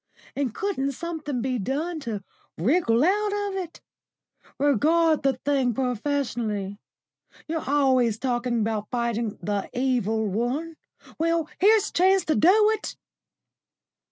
And couldn't something be done to wriggle out of it? Regard the thing professionally. You're always talking about fighting the Evil One. Well, here's a chance to do it."